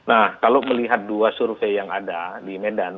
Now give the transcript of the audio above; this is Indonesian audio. nah kalau melihat dua survei yang ada di medan